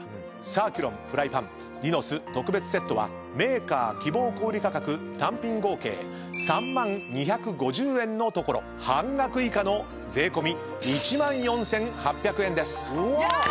サーキュロンフライパンディノス特別セットはメーカー希望小売価格単品合計３万２５０円のところ半額以下の税込み１万４，８００円です。